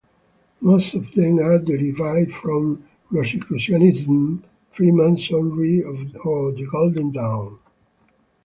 Most of them are derived from Rosicrucianism, Freemasonry, or the Golden Dawn.